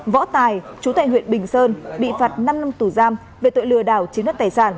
võ tài chú tại huyện bình sơn bị phạt năm năm tù giam về tội lừa đảo chiếm đất tài sản